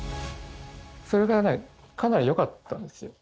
それがねかなり良かったんですよ。